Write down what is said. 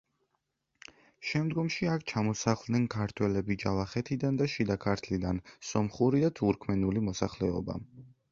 შემდგომში აქ ჩამოსახლდნენ ქართველები ჯავახეთიდან და შიდა ქართლიდან, სომხური და თურქმანული მოსახლეობა.